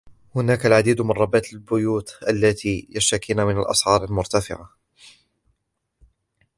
هناك العديد من ربات البيوت اللاتي يشتكين من الأسعار المرتفعة.